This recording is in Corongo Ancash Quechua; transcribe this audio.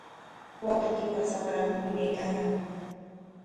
Wawqiykipa shapran wiñaykanñam.